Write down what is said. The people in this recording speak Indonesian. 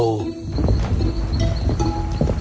bergulirlah bersama labu